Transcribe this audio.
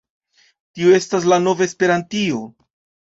Tio estas la nova Esperantio.